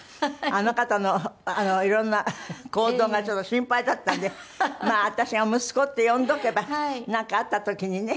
あの方の色んな行動がちょっと心配だったんでまあ私が息子って呼んでおけばなんかあった時にね